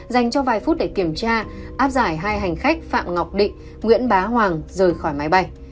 dành cho vài phút để kiểm tra áp giải hai hành khách phạm ngọc định nguyễn bá hoàng rời khỏi máy bay